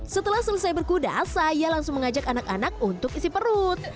setelah selesai berkuda saya langsung mengajak anak anak untuk isi perut